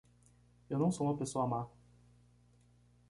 Eu não sou uma pessoa má